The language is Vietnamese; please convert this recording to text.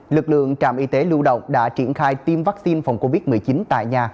lực lượng trạm y tế lưu động đã triển khai tiêm vaccine phòng covid một mươi chín tại nhà